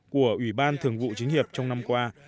của ủy ban thường vụ chính hiệp trong năm qua